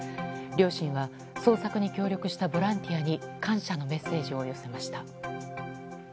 両親は捜索に協力したボランティアに感謝のメッセージを寄せました。